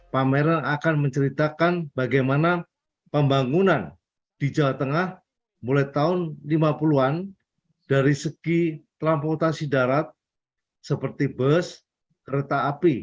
pameran akan menceritakan bagaimana pembangunan di jawa tengah mulai tahun lima puluh an dari segi transportasi darat seperti bus kereta api